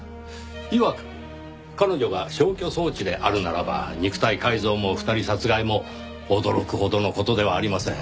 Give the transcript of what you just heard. いわく彼女が消去装置であるならば肉体改造も２人殺害も驚くほどの事ではありません。